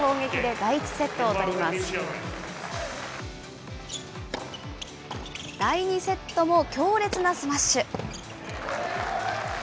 第２セットも強烈なスマッシュ。